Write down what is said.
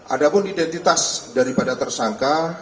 ada pun identitas daripada tersangka